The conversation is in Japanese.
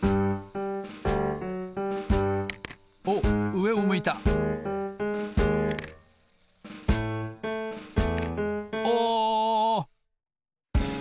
おっうえを向いたお！